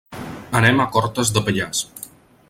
Anem a Cortes de Pallars.